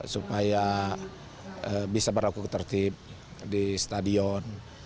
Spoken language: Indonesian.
supaya bisa berlaku tertib di stadion